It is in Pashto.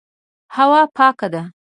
هوا پاکه ده.